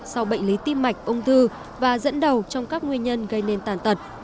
sau bệnh lý tim mạch ung thư và dẫn đầu trong các nguyên nhân gây nên tàn tật